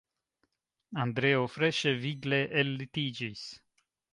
Andreo freŝe, vigle ellitiĝis.